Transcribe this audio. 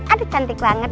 aduh cantik banget